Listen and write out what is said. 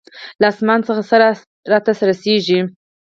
له آسمان څخه څه راته رسېږي.